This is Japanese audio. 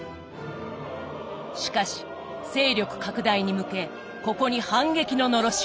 しかし勢力拡大に向けここに反撃ののろしを上げた。